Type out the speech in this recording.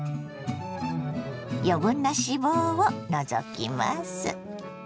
余分な脂肪を除きます。